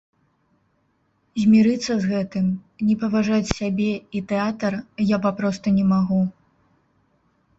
Змірыцца з гэтым, не паважаць сябе і тэатр я папросту не магу.